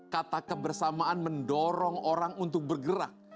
kata kebersamaan mendorong orang untuk bergerak